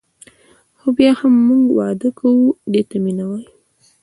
خو بیا هم موږ واده کوو دې ته مینه وايي.